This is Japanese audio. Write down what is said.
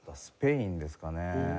スペインですかね。